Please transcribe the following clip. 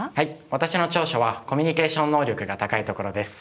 私の長所はコミュニケーション能力が高いところです。